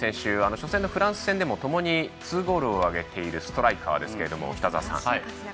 初戦、フランス戦でもともに２ゴールを挙げているストライカーですが北澤さん。